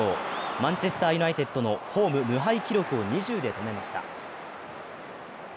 マンチェスター・ユナイテッドのホーム無敗記録を２０で止めました。